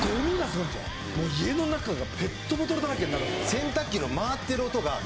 家の中がペットボトルだらけになる。